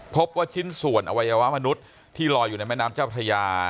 พบว่าชิ้นส่วนอวัยวะมนุษย์ที่ลอยอยู่ในแม่น้ำเจ้าพระยา